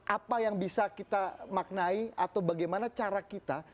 apa yang bisa kita maknai atau bagaimana cara kita